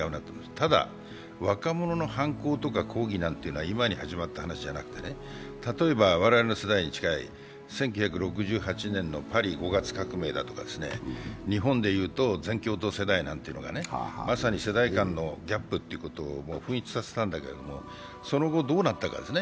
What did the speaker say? ただ、若者の反抗とか抗議というのは今に始まった話ではなくて例えば、我々の世代に近い１９８６年のパリ５月革命だとか、日本でいうと全共闘とかまさに世代間のギャップということを彷彿とさせたんだけどその後どうなったかと。